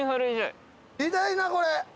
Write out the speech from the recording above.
痛いなこれ。